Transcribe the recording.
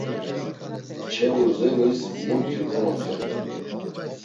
Kçe urdzenis muntri konoxedu.